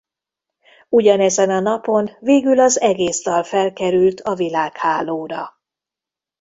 Ugyanezen a napon végül az egész dal felkerült a világhálóra.